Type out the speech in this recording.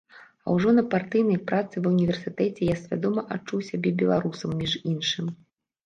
А ўжо на партыйнай працы, ва ўніверсітэце, я свядома адчуў сябе беларусам, між іншым.